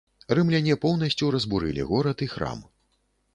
Рымляне поўнасцю разбурылі горад і храм.